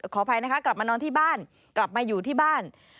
ขออภัยนะคะกลับมานอนที่บ้าน